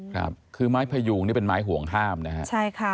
ครับคือไม้พยูงนี่เป็นไม้ห่วงห้ามนะฮะใช่ค่ะ